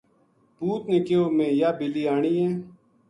پوت نے کہیو میں یاہ بِلی آنی ہے "